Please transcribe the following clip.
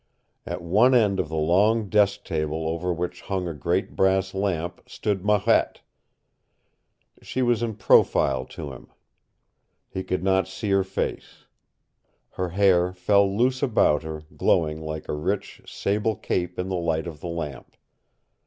At one end of the long desk table over which hung a great brass lamp stood Marette. She was in profile to him. He could not see her face. Her hair fell loose about her, glowing like a rich, sable cape in the light of the lamp.